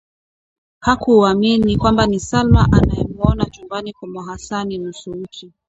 Hakuamini kwamba ni Salma anayemuona chumbani mwa Hasani nusu uchi